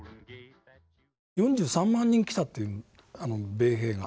４３万人来たというの米兵が。